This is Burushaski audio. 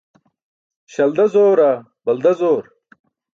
Śalda zoora, balda zoor?